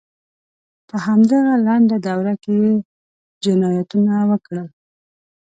په همدغه لنډه دوره کې یې جنایتونه وکړل.